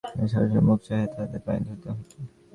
কিন্তু ষোড়শীর মুখ চাহিয়া তাহাদের পায়ে ধরিতে হইত।